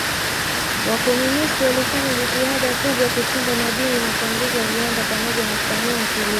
Wakomunisti walifanya jitihada kubwa kuchimba madini na kuanzisha viwanda pamoja na kupanua kilimo.